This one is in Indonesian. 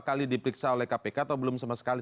kali diperiksa oleh kpk atau belum sama sekali